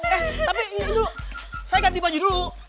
eh tapi dulu saya ganti baju dulu